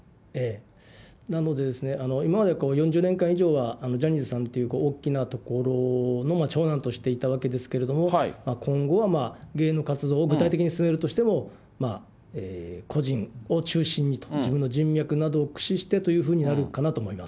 なので、今まで４０年間以上はジャニーズさんという大きな所の長男としていたわけですけれども、今後は芸能活動を具体的に進めるとしても、個人を中心にと、自分の人脈などを駆使してということになるかなと思います。